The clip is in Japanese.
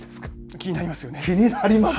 気になりますね。